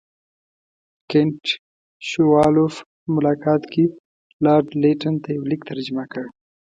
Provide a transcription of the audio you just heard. کنټ شووالوف په ملاقات کې لارډ لیټن ته یو لیک ترجمه کړ.